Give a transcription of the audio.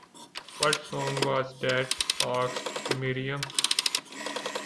“What song was that?” asked Miriam.